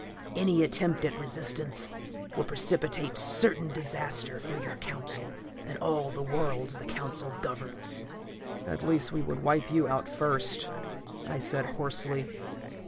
Any attempt at resistance will precipitate certain disaster for your Council and all the worlds the Council governs." "At least, we would wipe you out first," I said hoarsely.